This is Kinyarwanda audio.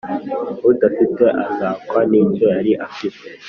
Udafite azakwa n’ icyo yari afite